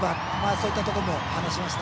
そういったところも話しました。